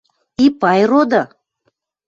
Ипай роды!